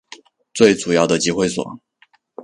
最主要的集会所